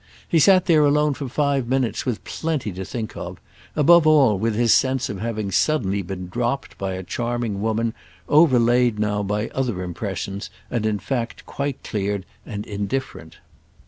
He sat there alone for five minutes, with plenty to think of; above all with his sense of having suddenly been dropped by a charming woman overlaid now by other impressions and in fact quite cleared and indifferent.